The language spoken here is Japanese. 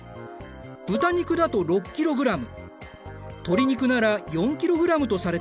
豚肉だと６ｋｇ鶏肉なら４ｋｇとされている。